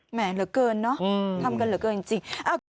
แหมเหลือเกินเนอะทำกันเหลือเกินจริง